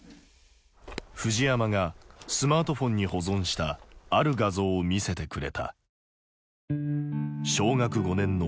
藤山がスマートフォンに保存したある画像を見せてくれた。